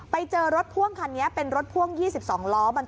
ไปเจอรถพ่วงคันนี้เป็นรถพ่วง๒๒ล้อ